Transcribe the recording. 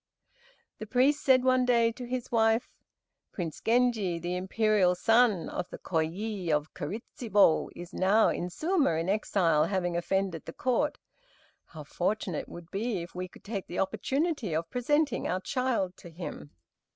The priest said one day to his wife, "Prince Genji, the imperial son of the Kôyi of Kiritsubo is now at Suma in exile, having offended the Court. How fortunate it would be if we could take the opportunity of presenting our child to him!"